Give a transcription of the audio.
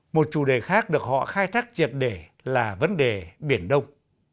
một chủ đề khác được họ khai thác triệt để là vấn đề biển đông